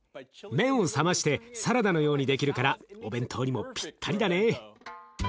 麺を冷ましてサラダのようにできるからお弁当にもピッタリだね。